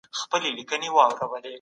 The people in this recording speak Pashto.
ډیپلوماسي د پخلایني لاره ده.